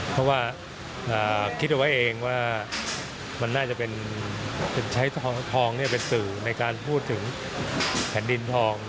เพราะว่าคิดเอาไว้เองว่ามันน่าจะเป็นใช้ทองเป็นสื่อในการพูดถึงแผ่นดินทอง